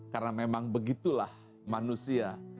karena memang begitulah manusia